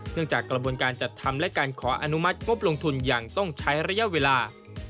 จากกระบวนการจัดทำและการขออนุมัติงบลงทุนอย่างต้องใช้ระยะเวลา